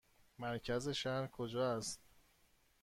مرکز شهر کجا است؟